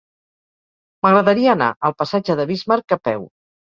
M'agradaria anar al passatge de Bismarck a peu.